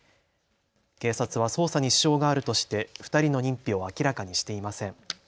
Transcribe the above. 警察は捜査に支障があるとして２人の認否を明らかにしていません。